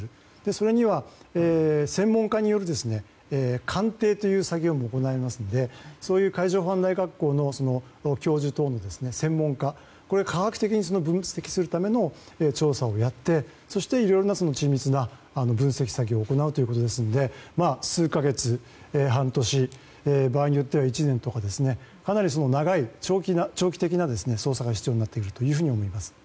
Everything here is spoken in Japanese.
それには専門家による鑑定という作業も行われますので海上保安内学校の教授等専門家科学的に分析するための専門調査をやってそして、いろいろな緻密な分析作業が行われるということですので数か月、半年場合によっては１年とかかなり長い長期的な捜査が必要になってくると思います。